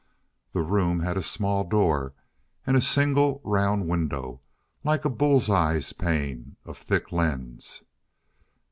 The room had a small door, and a single round window, like a bullseye pane of thick lens.